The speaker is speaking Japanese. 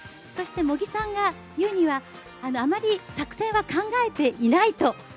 そして茂木さんが言うにはあまり作戦は考えていないと。